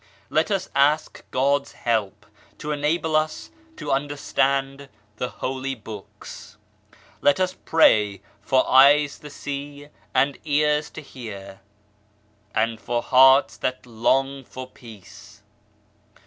Let us ask God's help to enable us to understand the Holy Books. Let us pray for eyes to see and ears to hear, and for hearts that long for Peace.